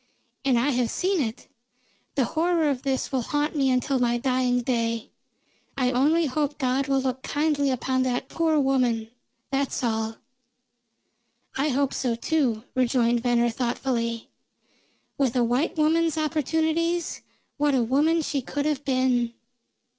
"And I have seen it! The horror of this will haunt me until my dying day. I only hope God will look kindly upon that poor woman, that's all." "I hope so, too," rejoined Venner thoughtfully. "With a white woman's opportunities, what a woman she could have been."